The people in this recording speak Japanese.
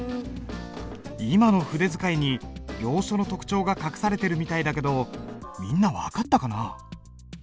今の筆使いに行書の特徴が隠されてるみたいだけどみんな分かったかな？